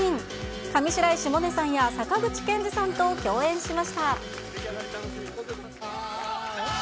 上白石萌音さんや坂口憲二さんと共演しました。